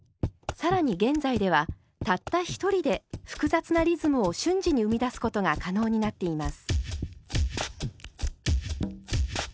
更に現在ではたった一人で複雑なリズムを瞬時に生み出すことが可能になっています。